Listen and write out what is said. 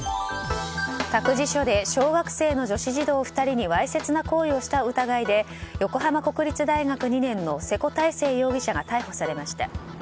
託児所で小学生の女子児童２人にわいせつな行為をした疑いで横浜国立大学２年の瀬古太星容疑者が逮捕されました。